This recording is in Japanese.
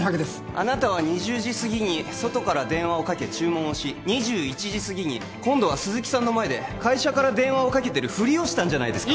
あなたは２０時すぎに外から電話をかけ注文をし２１時すぎに今度は鈴木さんの前で会社から電話をかけてるふりをしたんじゃないですか？